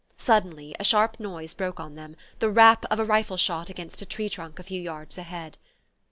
Suddenly a sharp noise broke on them: the rap of a rifle shot against a tree trunk a few yards ahead.